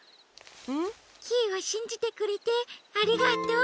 んっ？キイをしんじてくれてありがとう。